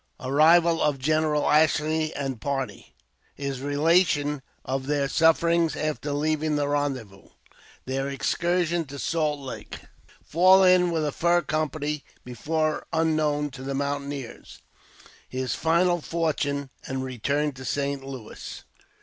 Arrival of General Ashley and Party — His Kelation of their Sufferings after leaving the Eendezvous — Their Excursion to Salt Lake — Fall in with a. Fur Company before unknown to the Mountaineers — His final Fortune and return to St. Louis.